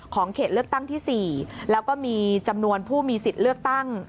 เขตเลือกตั้งที่๔แล้วก็มีจำนวนผู้มีสิทธิ์เลือกตั้ง